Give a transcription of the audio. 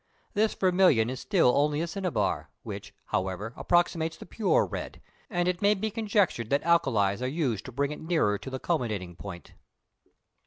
This vermilion is still only a cinnabar, which, however, approximates the pure red, and it may be conjectured that alkalis are used to bring it nearer to the culminating point.